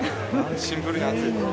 シンプルに暑い。